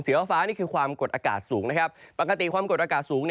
เสียวฟ้านี่คือความกดอากาศสูงปกติความกดอากาศสูง